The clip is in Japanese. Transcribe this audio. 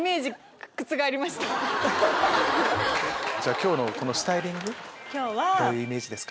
今日のスタイリングどういうイメージですか？